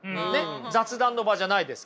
雑談の場じゃないですから。